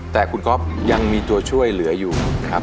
แต่คุณก๊อฟยังมีตัวช่วยเหลืออยู่ครับ